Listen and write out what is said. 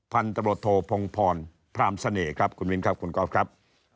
พันธโรโทพงพรพราหมณ์เสน่ห์ครับคุณวินครับคุณกอล์ฟครับ